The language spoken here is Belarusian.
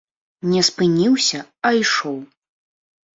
Не спыніўся, а ішоў.